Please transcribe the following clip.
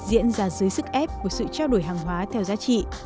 diễn ra dưới sức ép của sự trao đổi hàng hóa theo giá trị